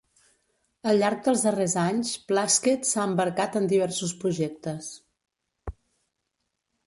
Al llarg dels darrers anys, Plaskett s'ha embarcat en diversos projectes.